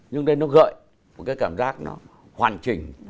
nhưng đây nó gợi một cái cảm giác nó hoàn chỉnh